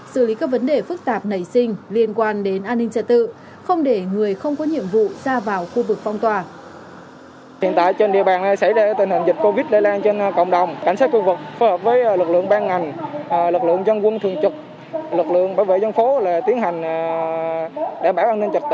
xử lý các vấn đề phức tạp nảy sinh liên quan đến an ninh trật tự không để người không có nhiệm vụ ra vào khu vực phong tỏa